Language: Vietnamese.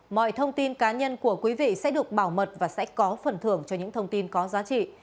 mọi thông tin cá nhân của quý vị sẽ được bảo mật và sẽ có phần thưởng cho những thông tin có giá trị